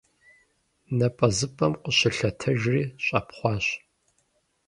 НапӀэзыпӀэм къыщылъэтыжри, щӀэпхъуащ.